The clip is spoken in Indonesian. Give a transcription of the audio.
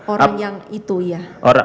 orang yang itu ya